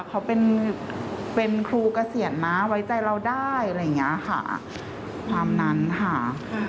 เขาเป็นครูเกษียณนะไว้ใจเราได้อะไรอย่างเงี้ยค่ะความนั้นค่ะ